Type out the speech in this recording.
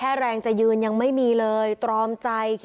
เบอร์ลูอยู่แบบนี้มั้งเยอะมาก